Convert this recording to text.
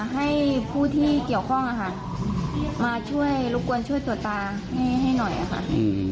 ให้ผู้ที่เกี่ยวข้องมาช่วยรบกวนช่วยตรวจตาให้หน่อยค่ะ